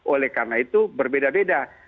oleh karena itu berbeda beda